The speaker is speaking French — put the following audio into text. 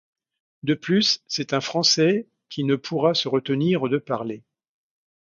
De plus, c’est un Français, qui ne pourra se retenir de parler.